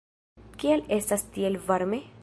Kial estas tiel varme?